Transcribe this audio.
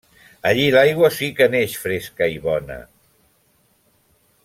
Allí l’aigua sí que naix fresca i bona!